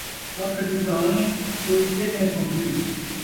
ککھ دی کہاݨی کوئی کے تئیں سݨسی